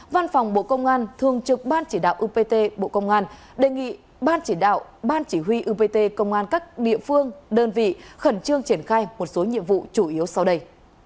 văn phòng bộ công an thường trực ban chỉ đạo upt bộ công an đề nghị ban chỉ đạo ban chỉ huy upt công an các địa phương đơn vị khẩn trương triển khai một số nhiệm vụ chủ yếu sau đây